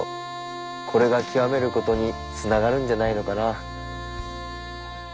これが極めることにつながるんじゃないのかな。